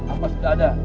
apa sudah ada